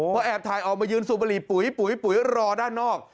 พอแอบถ่ายออกมายืนสูบบุหรี่ปุ๋ยปุ๋ยรอด้านนอก